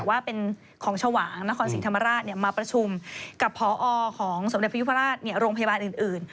ว่าเป็นของชวางนครศรีธรรมราชมาประชุมกับพอของสมเด็จพยุพราชโรงพยาบาลอื่น